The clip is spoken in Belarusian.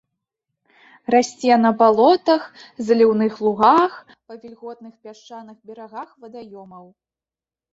Расце на балотах, заліўных лугах, па вільготных пясчаных берагах вадаёмаў.